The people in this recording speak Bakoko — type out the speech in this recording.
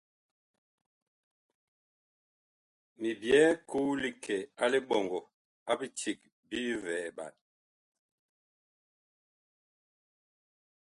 Mi byɛɛ koo li kɛ a liɓɔŋgɔ a biceg bi vɛɛɓan.